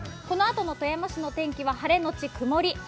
このあとの富山市のお天気は晴れのち曇り。